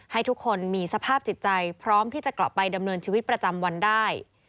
ให้ทุกคนมีสภาพจิตใจพร้อมที่จะกลับไปดำเนินชีวิตประจำวันได้